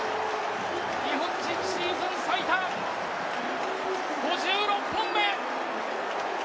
日本人シーズン最多５６本目。